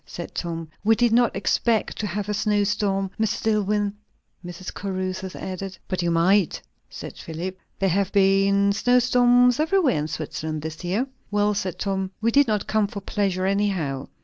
said Tom. "We did not expect to have a snow storm, Mr. Dillwyn," Mrs. Caruthers added. "But you might," said Philip. "There have been snow storms everywhere in Switzerland this year." "Well," said Tom, "we did not come for pleasure, anyhow.